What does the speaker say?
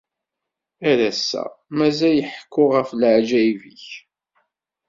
Ar ass-a, mazal ḥekkuɣ ɣef leɛǧayeb-ik.